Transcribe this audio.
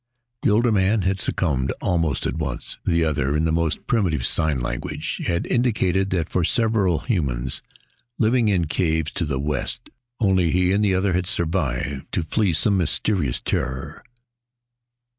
The older man had succumbed almost at once; the other, in the most primitive sign language, had indicated that, of several humans living in caves to the west, only he and the other had survived to flee some mysterious terror.